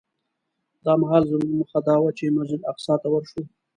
دا مهال زموږ موخه دا وه چې مسجد اقصی ته ورشو.